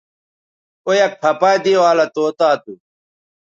او یک پَھہ پہ دے والہ طوطا تھو